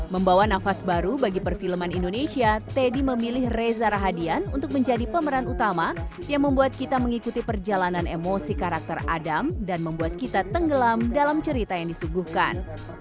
membawa nafas baru bagi perfilman indonesia teddy memilih reza rahadian untuk menjadi pemeran utama yang membuat kita mengikuti perjalanan emosi karakter adam dan membuat kita tenggelam dalam cerita yang disuguhkan